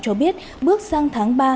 cho biết bước sang tháng ba